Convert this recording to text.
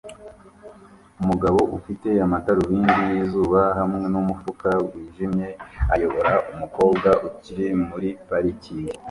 Umugabo ufite amadarubindi yizuba hamwe numufuka wijimye ayobora umukobwa ukiri muri parikingi